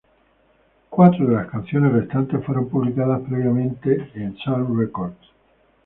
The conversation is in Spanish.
Cuatro de las canciones restantes fueron publicadas previamente en Sun Records.